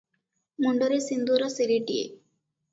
ମୁଣ୍ଡରେ ସିନ୍ଦୂର ସିରିଟିଏ